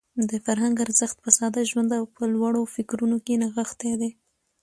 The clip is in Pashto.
د فرهنګ ارزښت په ساده ژوند او په لوړو فکرونو کې نغښتی دی.